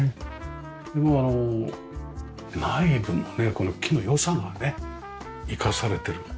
でもあの内部のねこの木の良さがね生かされてる。